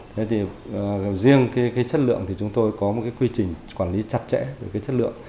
thế thì riêng cái chất lượng thì chúng tôi có một cái quy trình quản lý chặt chẽ về cái chất lượng